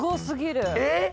えっ！